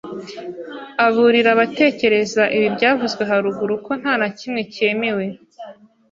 aburira abatekereza ibi byavuzwe haruguru ko nta na kimwe cyemewe